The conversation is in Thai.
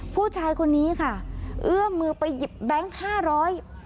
ผู้ชายคนนี้ค่ะเอื้อมมือไปหยิบแบงค์ห้าร้อย